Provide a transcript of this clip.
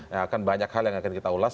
yang akan banyak hal yang akan kita ulas